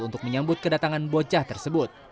untuk menyambut kedatangan bocah tersebut